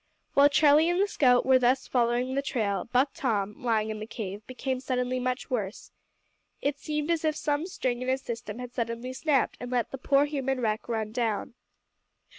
While Charlie and the scout were thus following the trail, Buck Tom, lying in the cave, became suddenly much worse. It seemed as if some string in his system had suddenly snapped and let the poor human wreck run down.